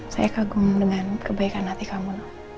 saya kagum dengan kebaikan hati kamu